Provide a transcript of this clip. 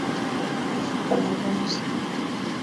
Maisha ni magumu sana